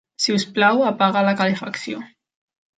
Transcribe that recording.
Si us plau, apaga la calefacció.